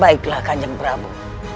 baiklah kanyang prabu